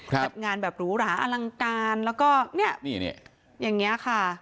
จัดงานแบบหรูหราอลังการแล้วก็เนี่ยอย่างเงี้ยค่ะ